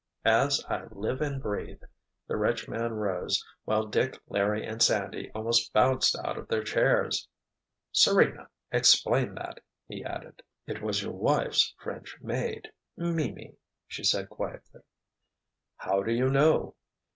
"As I live and breathe!" The rich man rose, while Dick, Larry and Sandy almost bounced out of their chairs. "Serena, explain that!" he added. "It was your wife's French maid—Mimi!" she said quietly. "How do you know?"